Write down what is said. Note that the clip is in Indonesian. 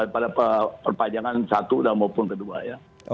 pada perpanjangan satu dan maupun kedua ya